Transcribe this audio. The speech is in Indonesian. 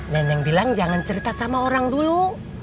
neneng bilang jangan cerita sama orang dulu